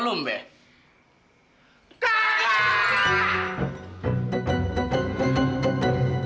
kita makan disini aja